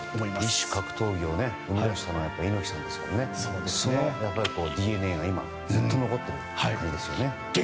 異種格闘技を見いだしたのは猪木さんですからそのＤＮＡがずっと残っていると。